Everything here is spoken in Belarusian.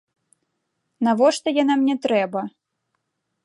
Навошта яна мне трэба?